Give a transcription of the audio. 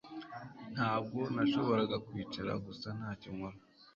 Ntabwo nashoboraga kwicara gusa ntacyo nkora